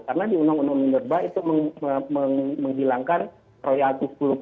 karena di undang undang minerba itu menghilangkan royaltu setengah